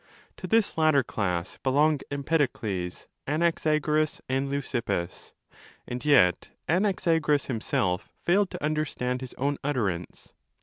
To this latter class belong Empedokles, Anaxagoras, and Leukippos. And yet Anaxagoras himself failed to understand his own utterance.